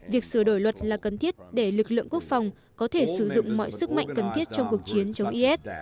việc sửa đổi luật là cần thiết để lực lượng quốc phòng có thể sử dụng mọi sức mạnh cần thiết trong cuộc chiến chống is